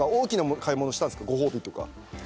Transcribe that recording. ご褒美とか。